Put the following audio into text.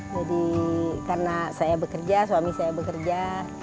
jadi karena saya bekerja suami saya bekerja